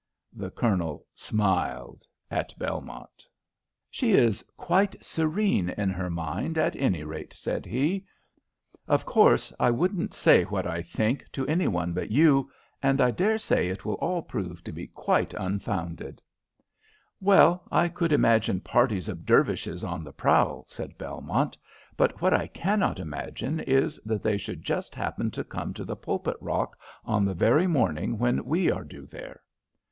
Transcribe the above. The Colonel smiled at Belmont. "She is quite serene in her mind, at any rate," said he. "Of course, I wouldn't say what I think to any one but you, and I dare say it will all prove to be quite unfounded." "Well, I could imagine parties of Dervishes on the prowl," said Belmont. "But what I cannot imagine is that they should just happen to come to the pulpit rock on the very morning when we are due there."